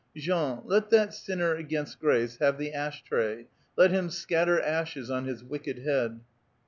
— Jean, let that sinner against grace have the ash tray. Let him scatter ashes ou his wicked head